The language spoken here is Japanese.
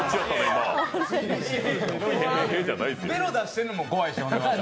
ベロ出してるのも怖いし。